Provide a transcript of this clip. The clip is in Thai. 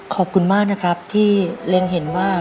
ขอบคุณมากนะครับที่เล็งเห็นว่า